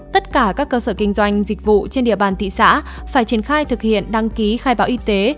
tất cả các cơ sở kinh doanh dịch vụ trên địa bàn thị xã phải triển khai thực hiện đăng ký khai báo y tế